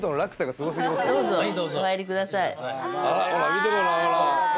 見てごらんほら。